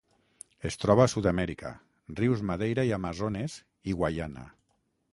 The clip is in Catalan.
Es troba a Sud-amèrica: rius Madeira i Amazones, i Guaiana.